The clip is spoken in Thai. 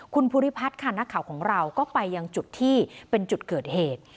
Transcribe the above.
คุณภูริพัฒน์ค่ะนักข่าวของเราก็ไปยังจุดที่เป็นจุดเกิดเหตุ